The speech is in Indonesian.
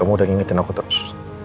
kamu udah ngingetin aku terus